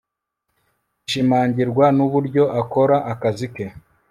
bishimangirwa n'uburyo akora akazi ke